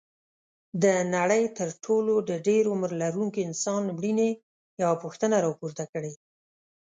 د نړۍ تر ټولو د ډېر عمر لرونکي انسان مړینې یوه پوښتنه راپورته کړې.